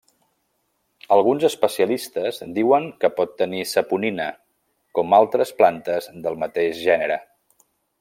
Alguns especialistes diuen que pot tenir saponina, com altres plantes del mateix gènere.